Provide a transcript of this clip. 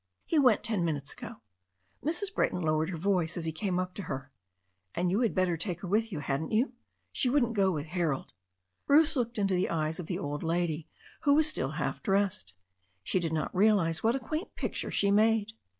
He went ten minutes ago." Mrs. Brayton lowered her voice as he came up to her. "And you had better take her with you, hadn't you? She wouldn't go with Harold." Bruce looked into the eyes of the old lady, who was still half dressed. She did not realize what a quaint picture she made.